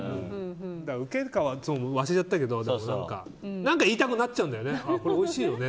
だからウケるかは忘れちゃったけど何か言いたくなっちゃうんだよね。